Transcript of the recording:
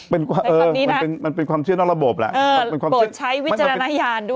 เป็นความเออมันเป็นความเชื่อนอกระบบแหละเออเปิดใช้วิจารณญาณด้วย